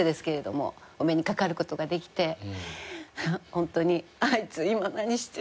ホントに『あいつ今何してる？』に。